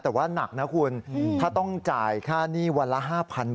แต่ว่านักนะคุณถ้าต้องจ่ายค่าหนี้วันละ๕๐๐บาท